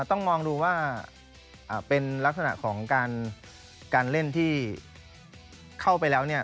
ต้องมองดูว่าเป็นลักษณะของการเล่นที่เข้าไปแล้วเนี่ย